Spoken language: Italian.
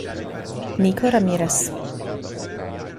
Nico Ramírez